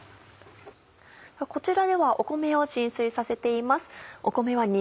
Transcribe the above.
こちらでは米を浸水させています。